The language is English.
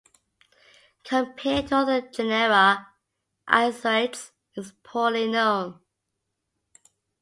Compared to other genera, "Isoetes" is poorly known.